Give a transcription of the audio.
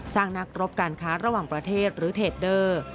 นักรบการค้าระหว่างประเทศหรือเทดเดอร์